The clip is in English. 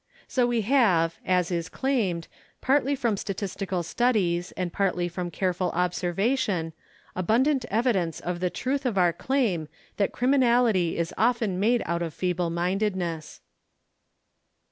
So we have, as is claimed, partly from statistical studies and partly from careful obser vation, abundant evidence of the truth of our claim that criminality is often made out of feeble mindedness.